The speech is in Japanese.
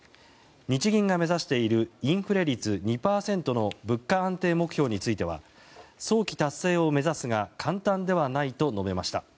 日銀が目指しているインフレ率２％の物価安定目標については早期達成を目指すが簡単ではないと述べました。